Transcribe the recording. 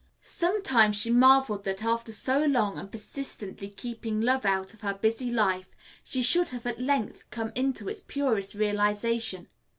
Sometimes she marveled that, after so long and persistently keeping love out of her busy life, she should have at length come into its purest realization.